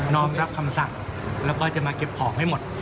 อมรับคำสั่งแล้วก็จะมาเก็บของให้หมด